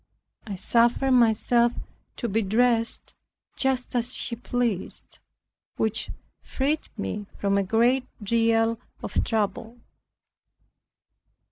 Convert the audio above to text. I suffered myself to be dressed just as she pleased, which freed me from a great deal of trouble.